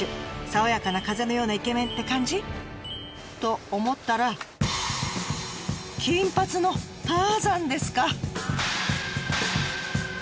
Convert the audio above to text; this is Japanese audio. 爽やかな風のようなイケメンって感じ？と思ったら金髪のターザンですか？